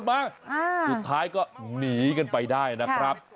สุดท้ายก็หนีกันไปได้นะครับ